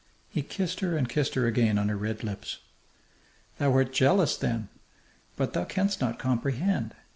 He kissed her and kissed her again on her red lips. "Thou art jealous, then! But thou canst not comprehend.